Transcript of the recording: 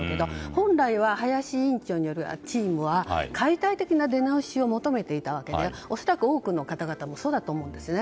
本来は、林委員長によるチームは解体的な出直しを求めていたわけで恐らく多くの方々もそうだと思うんですね。